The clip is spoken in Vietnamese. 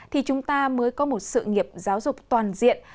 thì chúng ta mới có một sự nghiệp giáo dục toàn diện